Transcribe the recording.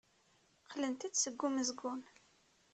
Qqlent-d seg umezgun.